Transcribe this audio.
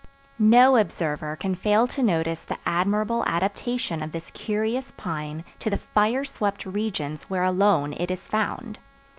No observer can fail to notice the admirable adaptation of this curious pine to the fire swept regions where alone it is found.